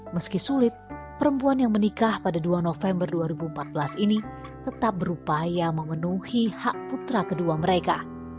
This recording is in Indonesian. meski sulit perempuan yang menikah pada dua november dua ribu empat belas ini tetap berupaya memenuhi hak putra kedua mereka